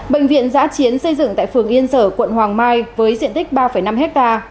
bệnh viện giã chiến xây dựng tại phường yên sở quận hoàng mai với diện tích ba năm ha